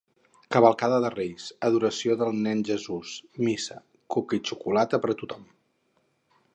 Cavalcada de Reis, adoració del nen Jesús, missa, coca i xocolata per a tothom.